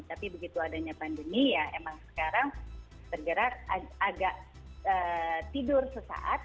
tapi begitu adanya pandemi ya emang sekarang bergerak agak tidur sesaat